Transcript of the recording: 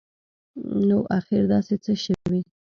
نو اخیر داسي څه شوي